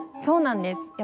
そうなんです。